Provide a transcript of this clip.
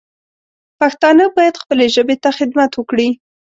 پښتانه باید خپلې ژبې ته خدمت وکړي